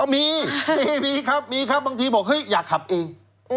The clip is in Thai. มีมีครับมีครับบางทีบอกเฮ้ยอยากขับเอง